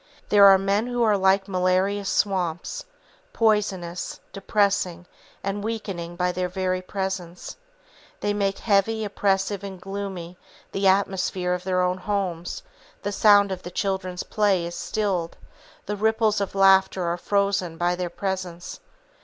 There are men who are like malarious swamps, poisonous, depressing and weakening by their very presence. They make heavy, oppressive and gloomy the atmosphere of their own homes; the sound of the children's play is stilled, the ripples of laughter are frozen by their presence.